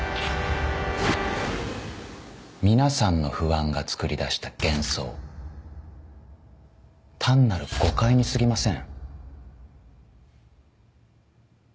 皆さんの不安がつくり出した幻想単なる誤解にすぎません。